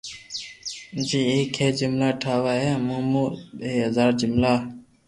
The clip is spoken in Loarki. جي ايڪ ھي جملا ٺاوا اي مون ٻو ھزار جملا